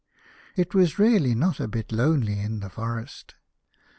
It was really not a bit lonely in the forest.